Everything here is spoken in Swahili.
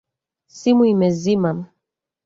Simu imezima